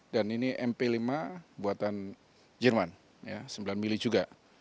dan ini mp lima buatan jerman sembilan mili juga